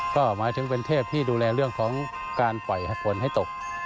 ก็หมายถึงเป็นเทพที่ดูแลเรื่องของการปล่อยฝนให้ตก